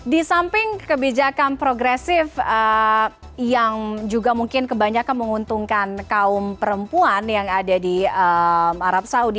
di samping kebijakan progresif yang juga mungkin kebanyakan menguntungkan kaum perempuan yang ada di arab saudi